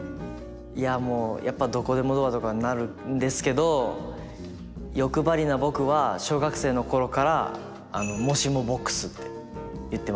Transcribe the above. やっぱ「どこでもドア」とかになるんですけど欲張りな僕は小学生の頃から「もしもボックス」って言ってます。